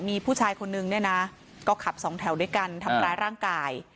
มีผู้ชายคนนึงก็ขับ๒แถวด้วยกันทำร้ายร่างกาย